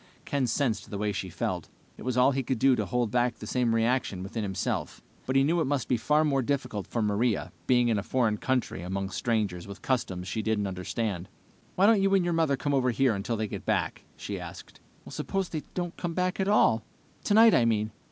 Ken sensed the way she felt. It was all he could do to hold back the same reaction within himself, but he knew it must be far more difficult for Maria, being in a foreign country among strangers with customs she didn't understand. "Why don't you and your mother come over here until they get back?" he asked. "Suppose they don't come back at all? Tonight, I mean."